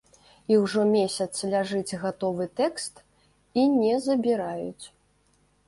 І ўжо месяц ляжыць гатовы тэкст і не забіраюць.